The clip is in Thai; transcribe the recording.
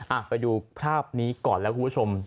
อ่ะไปดูภาพนี้ก่อนแล้วคุณผู้ชม